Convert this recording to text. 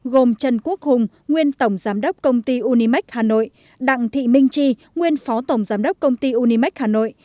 gồm trần quốc hùng nguyên tổng giám đốc công ty unimec hà nội đặng thị minh tri nguyên phó tổng giám đốc công ty unimec hà nội